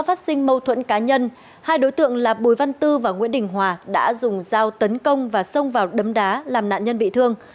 phát sinh mâu thuẫn cá nhân hai đối tượng là bùi văn tư và nguyễn đình hòa đã dùng dao tấn công và xông vào đấm đá làm nạn nhân bị thương